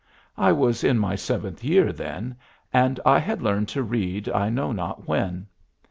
I was in my seventh year then, and I had learned to read I know not when.